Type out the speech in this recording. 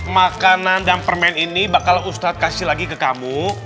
makanan dan permen ini bakal ustadz kasih lagi ke kamu